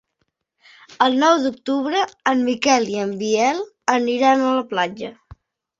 El nou d'octubre en Miquel i en Biel aniran a la platja.